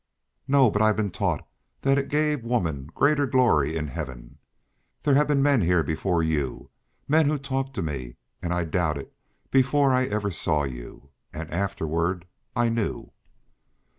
"No. But I've been taught that it gave woman greater glory in heaven. There have been men here before you, men who talked to me, and I doubted before I ever saw you. And afterward I knew."